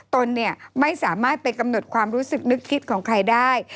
ตนเนี่ยไม่สามารถไปกำหนดความรู้สึกนึกคิดของใครได้